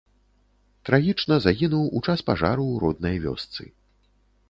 Трагічна загінуў у час пажару ў роднай вёсцы.